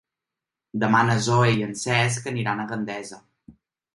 Demà na Zoè i en Cesc aniran a Gandesa.